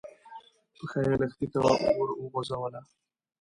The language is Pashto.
پښه يې لښتي ته ور وغځوله.